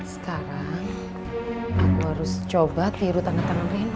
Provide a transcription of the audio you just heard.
sekarang aku harus coba tiru tanda tangan reno